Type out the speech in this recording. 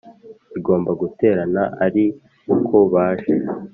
Igomba guterana ari uko baje